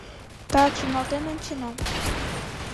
Так шоналтен ончена.